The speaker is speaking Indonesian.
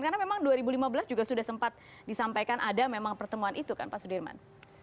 karena memang dua ribu lima belas juga sudah sempat disampaikan ada memang pertemuan itu kan pak sudirman